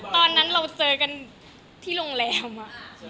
ตอนนั้นเราเจอกันที่โรงแรมอะ